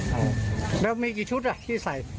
แล้วมีกี่ชุดที่ใส่